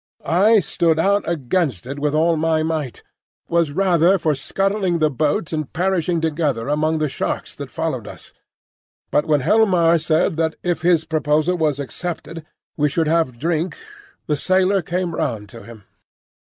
I stood out against it with all my might, was rather for scuttling the boat and perishing together among the sharks that followed us; but when Helmar said that if his proposal was accepted we should have drink, the sailor came round to him.